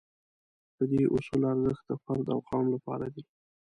د دې اصول ارزښت د فرد او قوم لپاره دی.